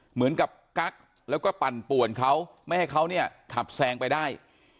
เหมือนกับกั๊กแล้วก็ปั่นป่วนเขาไม่ให้เขาเนี่ยขับแซงไปได้